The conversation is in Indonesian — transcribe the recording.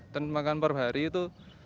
dan pemakaman per hari itu